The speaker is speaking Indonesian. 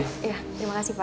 iya terima kasih pak